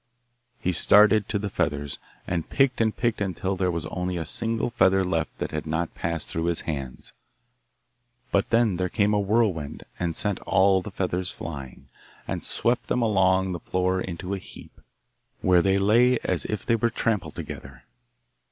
He started to the feathers, and picked and picked until there was only a single feather left that had not passed through his hands. But then there came a whirlwind and sent all the feathers flying, and swept them along the floor into a heap, where they lay as if they were trampled together.